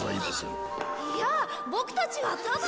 いやボクたちはただ。